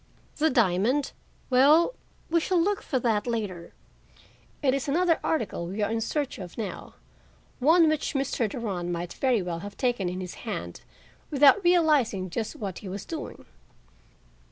"The diamond—well, we shall look for that later; it is another article we are in search of now, one which Mr. Durand might very well have taken in his hand without realizing just what he was doing.